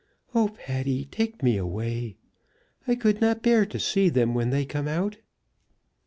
Oh, Patty, take me away. I could not bear to see them when they come out."